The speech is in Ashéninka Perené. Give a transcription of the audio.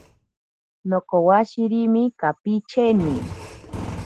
Nokowashirimi kapicheni.